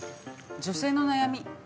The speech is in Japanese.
女性の悩み。